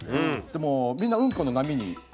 でもうみんなうんこの波に。